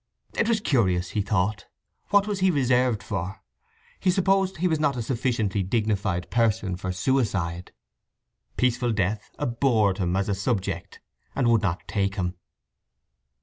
It was curious, he thought. What was he reserved for? He supposed he was not a sufficiently dignified person for suicide. Peaceful death abhorred him as a subject, and would not take him.